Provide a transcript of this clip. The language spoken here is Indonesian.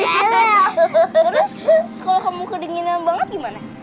terus kalau kamu kedinginan banget gimana